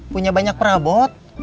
punya banyak perabot